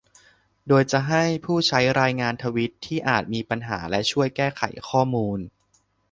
โดยจะให้ผู้ใช้รายงานทวีตที่อาจมีปัญหาและช่วยแก้ไขข้อมูล